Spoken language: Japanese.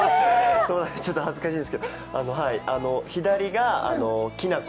ちょっと恥ずかしいんですけど左がきなこ